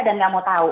dan nggak mau tahu